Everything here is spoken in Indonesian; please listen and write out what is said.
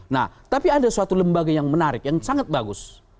nah tapi ada suatu lembaga yang menarik yang sangat bagus